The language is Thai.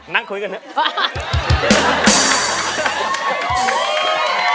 นั่งคุยกันเถอะ